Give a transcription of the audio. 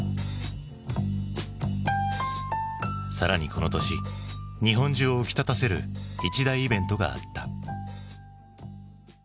更にこの年日本中を浮き立たせる一大イベントがあった。